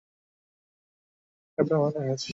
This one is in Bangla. প্রত্যেকটি বিবরণ একটি নির্দিষ্ট কাঠামো মেনে করা হয়েছে।